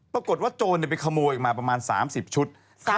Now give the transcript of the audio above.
ปรากฏว่าโจรเนี่ยไปขโมยมาประมาณ๓๐ชุด